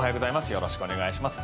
よろしくお願いします。